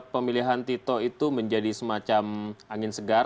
pemilihan tito itu menjadi semacam angin segar